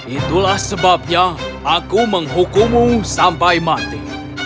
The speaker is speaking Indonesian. itulah sebabnya aku menghukummu sampai mati